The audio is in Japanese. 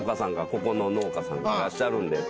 ここの農家さんがいらっしゃるんで。